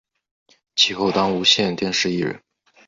其后当无线电视艺人。